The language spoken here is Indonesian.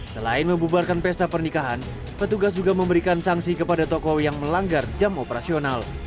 selain membubarkan pesta pernikahan petugas juga memberikan sanksi kepada toko yang melanggar jam operasional